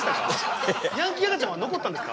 ヤンキー赤ちゃんは残ったんですか？